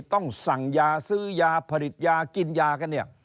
ต้องสั่งยาซื้อยาผลิตยากินยากันเนี่ย